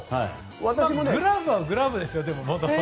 グラブは、グラブですよ。